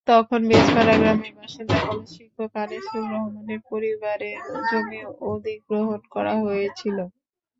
তখন বেজপাড়া গ্রামের বাসিন্দা কলেজশিক্ষক আনিচুর রহমানের পরিবারের জমি অধিগ্রহণ করা হয়েছিল।